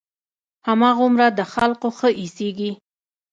هماغومره د خلقو ښه اېسېږي.